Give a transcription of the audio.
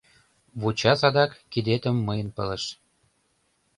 Вуча садак кидетым мыйын пылыш.